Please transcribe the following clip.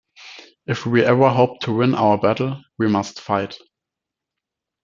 If we ever hope to win our battle, we must fight.